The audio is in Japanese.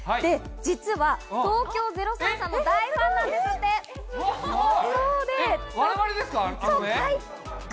実は、東京０３さんの大ファンなすごい。